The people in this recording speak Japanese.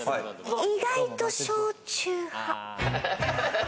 意外と焼酎派。